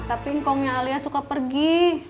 tapi kongnya alia suka pergi